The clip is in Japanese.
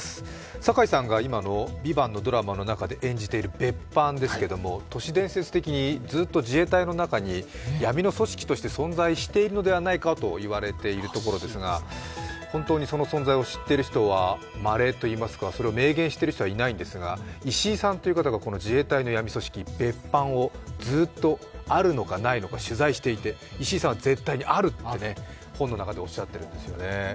堺さんが今の「ＶＩＶＡＮＴ」のドラマの中で演じている別班ですけれども都市伝説的にずっと自衛隊の中に闇の組織として存在しているのではないかと言われているところですが、本当にその存在を知っている人はまれといいますか、それを明言している人はいないんですが石井さんという方がこの自衛隊の闇組織、別班がずっとあるのかないのか取材していて石井さんは絶対にあると本の中でおっしゃっているんですよね。